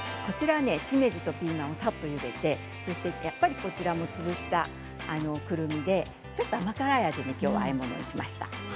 しめじとピーマンをさっとゆでて、こちらも潰したくるみで、ちょっと甘辛いあえ物にしました。